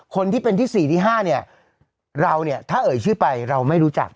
คนที่เป็นที่๔ที่๕เนี่ยเราเนี่ยถ้าเอ่ยชื่อไปเราไม่รู้จัก